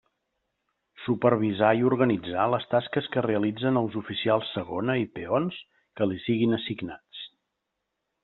Supervisar i organitzar les tasques que realitzen els oficials segona i peons que li siguin assignats.